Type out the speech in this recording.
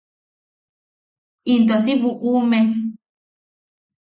Into si bu’ume.